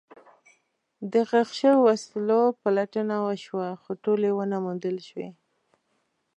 د ښخ شوو وسلو پلټنه وشوه، خو ټولې ونه موندل شوې.